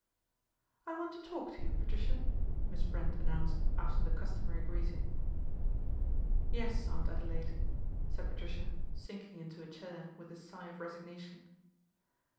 " I want to talk to you, Patricia," Miss Brent announced after the customary greeting. 1 Yes, Aunt Adelaide/' said Patricia, sinking into a chair with a sigh of resignation.